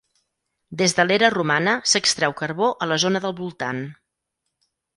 Des de l'era romana, s'extreu carbó a la zona del voltant.